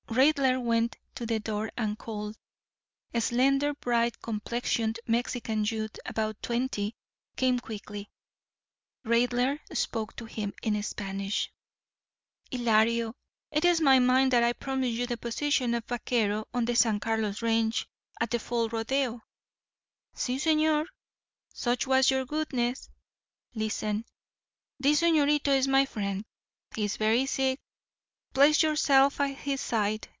Raidler went to the door and called. A slender, bright complexioned Mexican youth about twenty came quickly. Raidler spoke to him in Spanish. "Ylario, it is in my mind that I promised you the position of vaquero on the San Carlos range at the fall rodeo." "Si, señor, such was your goodness." "Listen. This señorito is my friend. He is very sick. Place yourself at his side.